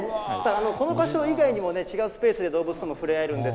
この場所以外にもね、違うスペースで動物と触れ合えるんです。